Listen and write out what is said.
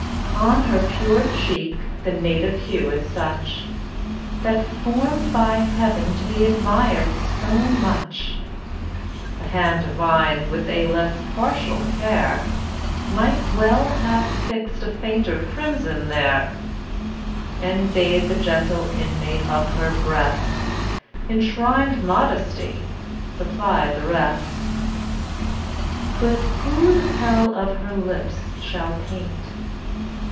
On her pure cheek the native hue is such, That, form'd by Heaven to be admired so much, The hand divine, with a less partial care, Might well have fix'd a fainter crimson there, And bade the gentle inmate of her breast— Inshrined Modesty—supply the rest. But who the peril of her lips shall paint?